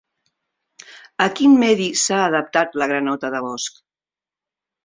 A quin medi s'ha adaptat la granota de bosc?